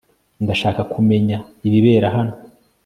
Ndashaka kumenya ibibera hano